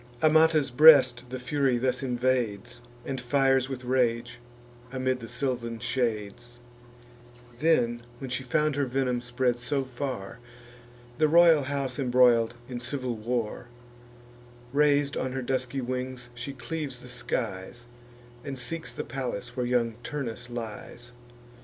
Amata's breast the Fury thus invades, And fires with rage, amid the sylvan shades; Then, when she found her venom spread so far, The royal house embroil'd in civil war, Rais'd on her dusky wings, she cleaves the skies, And seeks the palace where young Turnus lies.